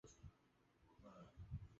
因事遭弹劾去世。